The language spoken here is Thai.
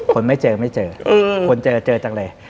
ไม่เจอไม่เจอคนเจอเจอจังเลย